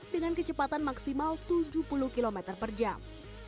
dengan kecepatan maksimal tujuh puluh km per jam